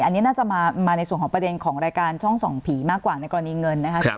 อันนี้น่าจะมาในส่วนของประเด็นของรายการช่องส่องผีมากกว่าในกรณีเงินนะครับ